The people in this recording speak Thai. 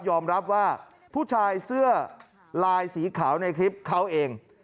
อมรับว่าผู้ชายเสื้อลายสีขาวในคลิปเขาเอง